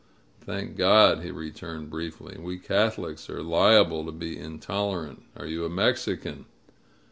'' "Thank God," he returned briefly. "We Catholics are liable to be intolerant. Are you a Mexican?"